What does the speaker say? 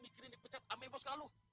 mikirin dipecat ame bos kaluh